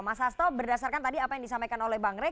mas hasto berdasarkan tadi apa yang disampaikan oleh bang rey